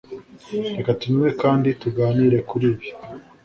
Reka tunywe kandi tuganire kuri ibi.